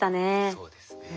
そうですね。